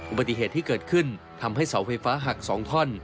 อุบัติเหตุที่เกิดขึ้นทำให้เสาไฟฟ้าหัก๒ท่อน